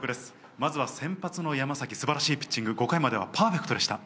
まずは先発の山崎、素晴らしいピッチング、５回まではパーフェクトでした。